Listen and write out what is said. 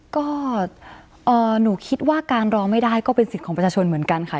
ก็หนูคิดว่าการร้องไม่ได้ก็เป็นสิทธิ์ของประชาชนเหมือนกันค่ะ